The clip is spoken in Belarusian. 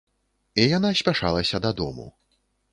І яна спяшалася дадому.